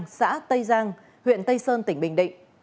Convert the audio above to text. hộ khẩu thường chú tại thôn thượng giang huyện tây sơn tỉnh bình định